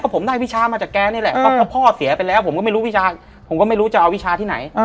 ผมได้วิชามาจากแกนี่แหละเพราะพ่อเสียไปแล้วผมก็ไม่รู้วิชาผมก็ไม่รู้จะเอาวิชาที่ไหน